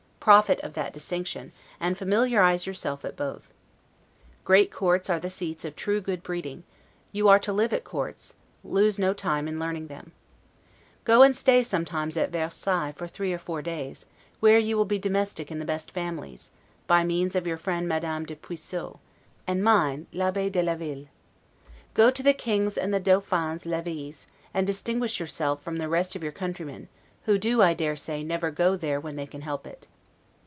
Profit of that distinction, and familiarize yourself at both. Great courts are the seats of true good breeding; you are to live at courts, lose no time in learning them. Go and stay sometimes at Versailles for three or four days, where you will be domestic in the best families, by means of your friend Madame de Puisieux; and mine, l'Abbe de la Ville. Go to the King's and the Dauphin's levees, and distinguish yourself from the rest of your countrymen, who, I dare say, never go there when they can help it.